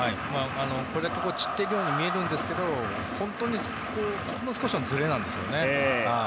これだけ散っていくように見えますがほんの少しのずれなんですよね。